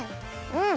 うん！